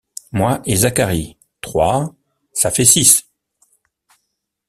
Moi et Zacharie, trois: ça fait six...